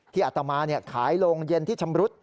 อัตมาขายโรงเย็นที่ชำรุด